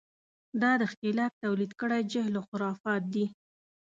دا د ښکېلاک تولید کړی جهل و خرافات دي.